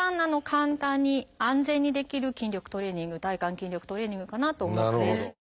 簡単に安全にできる筋力トレーニング体幹筋力トレーニングかなと思うので。